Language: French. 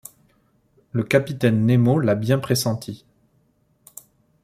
Le capitaine Nemo l’a bien pressenti